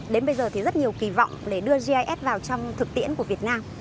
đến bây giờ thì rất nhiều kỳ vọng để đưa gis vào trong thực tiễn của việt nam